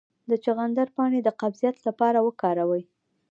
د چغندر پاڼې د قبضیت لپاره وکاروئ